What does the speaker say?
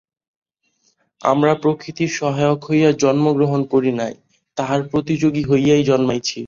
আমরা প্রকৃতির সহায়ক হইয়া জন্মগ্রহণ করি নাই, তাহার প্রতিযোগী হইয়াই জন্মিয়াছি।